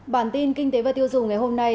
bản tin kinh tế và tiêu dùng ngày hôm nay